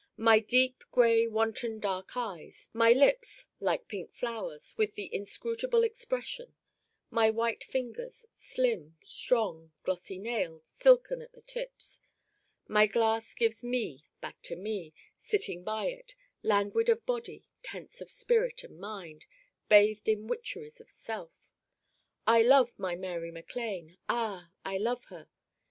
my deep gray wanton dark eyes: my lips like pink flowers with the inscrutable expression: my white fingers slim, strong, glossy nailed, silken at the tips. My glass gives Me back to Me, sitting by it, languid of Body, tense of spirit and Mind, bathed in witcheries of Self I love my Mary MacLane! Ah I love her!